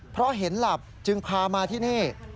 เพราะเห็นหลับจึงพามาที่นี่